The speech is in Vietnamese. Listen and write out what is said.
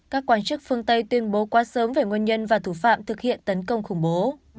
các quan chức phương tây tuyên bố quá sớm về nguyên nhân và thủ phạm thực hiện tấn công khủng bố